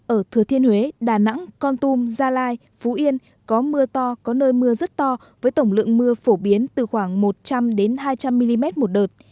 ở thừa thiên huế đà nẵng con tum gia lai phú yên có mưa to có nơi mưa rất to với tổng lượng mưa phổ biến từ khoảng một trăm linh hai trăm linh mm một đợt